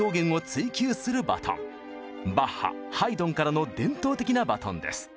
バッハハイドンからの伝統的なバトンです。